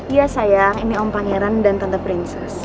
iya sayang ini om pangeran dan tante prinses